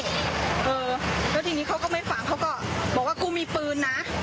เออแล้วทีนี้เขาก็ไม่ฟังเขาก็บอกว่ากูมีปืนนะ